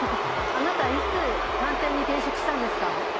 あなたいつ探偵に転職したんですか？